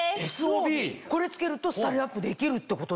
これ着けるとスタイルアップできるってことですか？